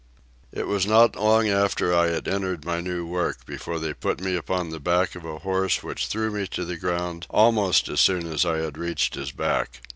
It was not long after I had entered my new work before they put me upon the back of a horse which threw me to the ground almost as soon as I had reached his back.